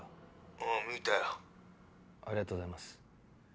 「おう見たよ」ありがとうございます。